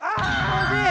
惜しい！